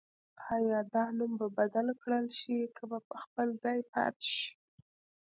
آیا دا نوم به بدل کړل شي که په خپل ځای پاتې شي؟